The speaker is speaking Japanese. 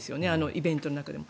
イベントの中でも。